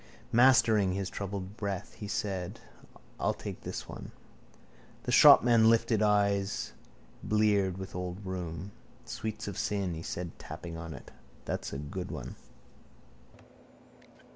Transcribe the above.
Mastering his troubled breath, he said: —I'll take this one. The shopman lifted eyes bleared with old rheum. —Sweets of Sin, he said, tapping on it. That's a good one.